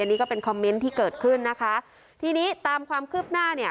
นี่ก็เป็นคอมเมนต์ที่เกิดขึ้นนะคะทีนี้ตามความคืบหน้าเนี่ย